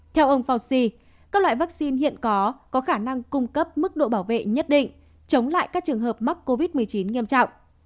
theo ông fauci các loại vaccine hiện có có khả năng cung cấp mức độ bảo vệ nhất định chống lại các trường hợp mắc covid một mươi chín nghiêm trọng